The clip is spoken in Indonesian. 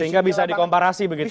sehingga bisa dikomparasi begitu